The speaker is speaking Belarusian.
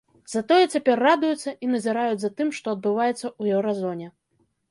Затое цяпер радуюцца, і назіраюць за тым, што адбываецца ў еўразоне.